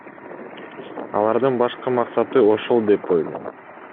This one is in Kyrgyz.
Алардын башкы максаты ошол деп ойлойм.